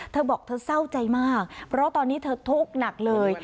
เธอบอกเธอเศร้าใจมากเพราะตอนนี้เธอทุกข์หนักเลย